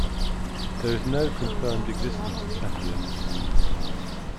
There is no confirmed existence of tachyons.